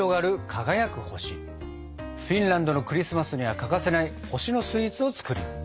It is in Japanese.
フィンランドのクリスマスには欠かせない星のスイーツを作ります！